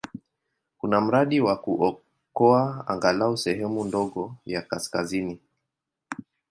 Kuna mradi wa kuokoa angalau sehemu ndogo ya kaskazini.